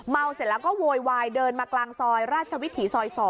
เสร็จแล้วก็โวยวายเดินมากลางซอยราชวิถีซอย๒